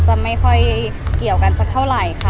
จะไม่ค่อยเกี่ยวกันสักเท่าไหร่ค่ะ